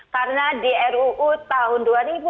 karena di ruu tahun dua ribu enam belas